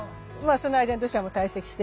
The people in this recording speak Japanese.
その間に土砂も堆積してるけど。